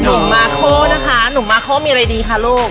หนุ่มมาโครนะคะหนุ่มมาโครมีอะไรดีลูก